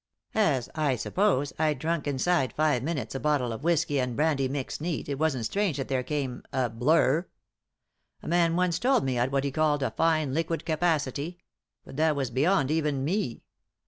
" As, I suppose, I'd drunk inside fire minutes a bottle of whisky and brandy mixed neat, it wasn't strange that there came— a blur. A man once told me I'd what he called a fine liquid capacity; but that was beyond even me.